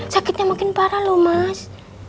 sakitnya makin parah loh mas